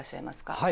はい。